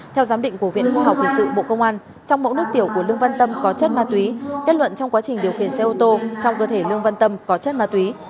theo giám định của viện khoa học hình sự bộ công an trong mẫu nước tiểu của lương văn tâm có chất ma túy kết luận trong quá trình điều khiển xe ô tô trong cơ thể lương văn tâm có chất ma túy